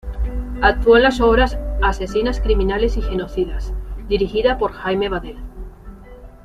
Actuó en las obras "Asesinas, Criminales y Genocidas" dirigida por Jaime Vadell.